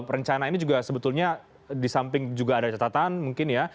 rencana ini juga sebetulnya di samping juga ada catatan mungkin ya